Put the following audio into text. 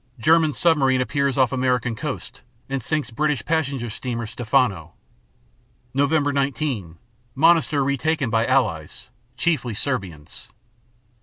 7 German submarine appears off American coast_ and sinks British passenger steamer "Stephano" (Oct. 8). Nov. 19 Monastir retaken by Allies (chiefly Serbians).